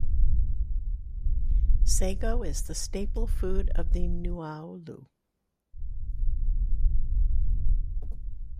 Sago is the staple food of the Nuaulu.